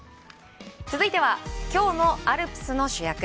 続いてはきょうのアルプスの主役。